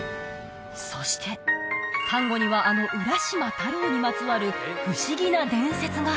そして丹後にはあの浦島太郎にまつわる不思議な伝説が！